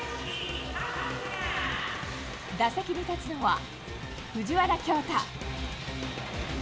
打席に立つのは藤原恭大。